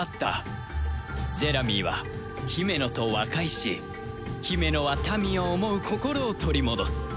ジェラミーはヒメノと和解しヒメノは民を思う心を取り戻す